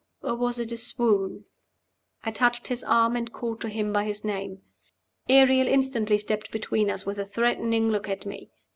or was it a swoon? I touched his arm, and called to him by his name. Ariel instantly stepped between us, with a threatening look at me.